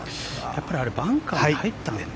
やっぱりバンカーに入ったのかな。